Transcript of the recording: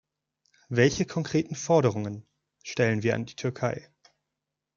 Welche konkreten Forderungen stellen wir an die Türkei?